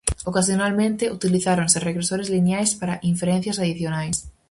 Ocasionalmente, utilizáronse regresores lineais para inferencias adicionais.